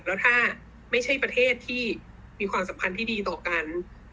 แล้วถ้าไม่ใช่ประเทศที่มีความสัมพันธ์ที่ดีต่อกัน